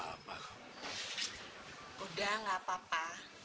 sudah tidak apa apa